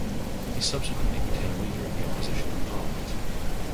He subsequently became Leader of the Opposition in Parliament.